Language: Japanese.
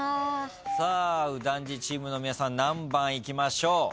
さあ右團次チームの皆さん何番いきましょう？